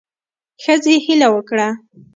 ښځې هیله وکړه